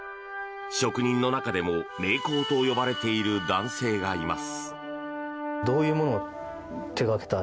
職人の中でも、名工と呼ばれている男性がいます。